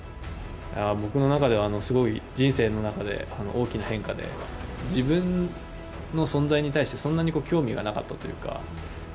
僕の中では、すごい人生の中で大きな変化で自分の存在に対してそんなに興味がなかったというか。